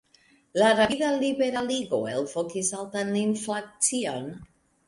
La rapida liberaligo elvokis altan inflacion.